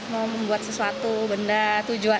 mau membuat sesuatu berusaha